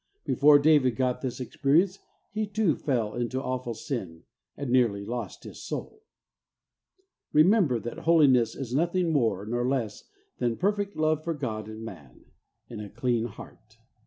Before David got this experience he too fell into awful sin, and nearly lost his soul. Remember that Holiness is nothing more WHY SHOULD WE BE HOLY? 1 3 nor less than perfect love for God and man, in a clean heart.